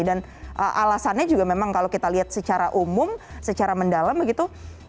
dan alasannya juga memang kalau kita lihat secara umum secara mendalam begitu